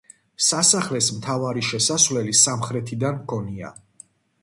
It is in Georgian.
სასახლეს მთავარი შესასვლელი სამხრეთიდან ჰქონია.